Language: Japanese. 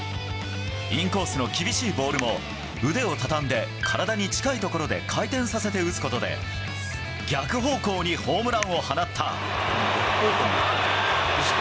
インコースの厳しいボールも、腕を畳んで体に近い所で回転させて打つことで、逆方向にホームランを放った。